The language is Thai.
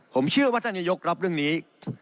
ผมเชื่อว่าท่านนายกรับเรื่องนี้